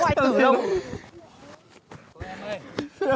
tao không ai tử đâu